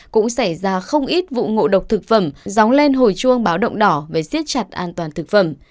cũng xảy ra không ít vụ ngộ độc thực phẩm dóng lên hồi chuông báo động đỏ về siết chặt an toàn thực phẩm